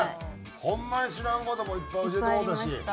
ホンマに知らん事もいっぱい教えてもろたし。